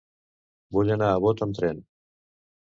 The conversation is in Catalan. Vull anar a Bot amb tren.